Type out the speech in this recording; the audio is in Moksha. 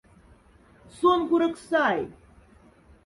Сон курок сай.